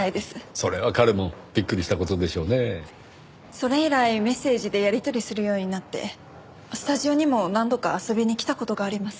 それ以来メッセージでやり取りするようになってスタジオにも何度か遊びに来た事があります。